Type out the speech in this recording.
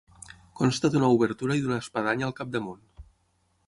Consta d'una obertura i d'una espadanya al capdamunt.